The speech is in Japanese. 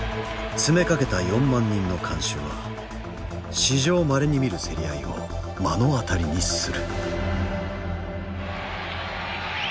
詰めかけた４万人の観衆は史上まれに見る競り合いを目の当たりにする。